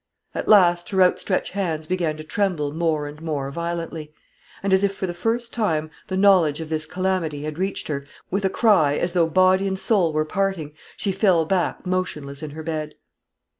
At last her outstretched hands began to tremble more and more violently; and as if for the first time the knowledge of this calamity had reached her, with a cry, as though body and soul were parting, she fell back motionless in her bed.